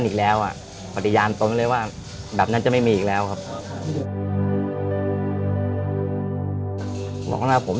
รู้เลยว่าผิดครั้งยิ่งใหญ่มีโมโหร้าง